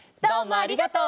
ありがとう。